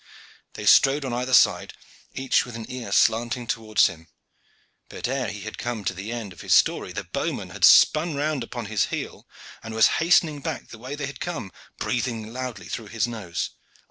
They strode on either side, each with an ear slanting towards him, but ere he had come to the end of his story the bowman had spun round upon his heel, and was hastening back the way they had come, breathing loudly through his nose.